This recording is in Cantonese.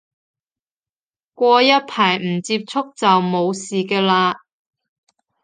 過一排唔接觸就冇事嘅喇